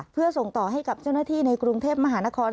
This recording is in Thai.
เพื่อส่งต่อให้กับเจ้าหน้าที่ในกรุงเทพมหานคร